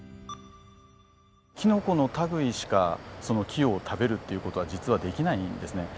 キノコの類いしか木を食べるっていう事は実はできないんですね。